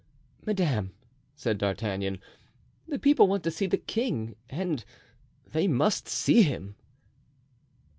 "Madame," said D'Artagnan, "the people want to see the king and they must see him."